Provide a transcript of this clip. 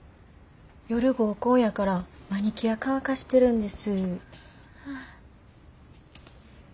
夜合コンやからマニキュア乾かしてるんです。